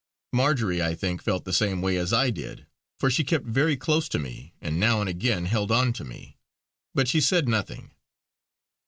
Marjory I think felt the same way as I did, for she kept very close to me and now and again held on to me; but she said nothing.